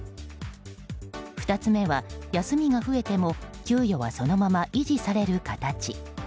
２つ目は、休みが増えても給与はそのまま維持される形。